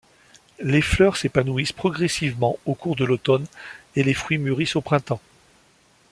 Les fleurs s'épanouissent progressivement au cours de l'automne et les fruits mûrissent au printemps.